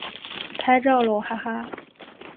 拍照喽哈哈